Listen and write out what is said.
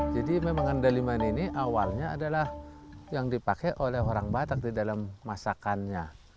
jadi memang andaliman ini awalnya adalah yang dipakai oleh orang batak di dalam masakannya